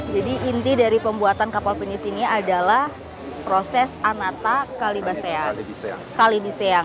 jadi inti dari pembuatan kapal penisi ini adalah proses annata kalibisean